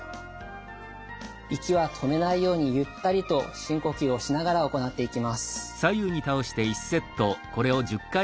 息は止めないようにゆったりと深呼吸をしながら行っていきます。